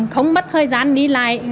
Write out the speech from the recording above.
không mất thời gian đi lại